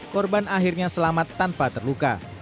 korban akhirnya selamat tanpa terluka